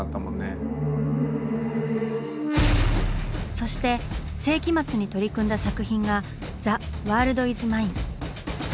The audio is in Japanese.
そして世紀末に取り組んだ作品が「ザ・ワールド・イズ・マイン」。